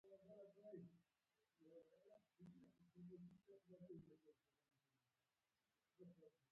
غصه او قهر، یعني د نورو د غلطۍ سزا ځانته ورکول!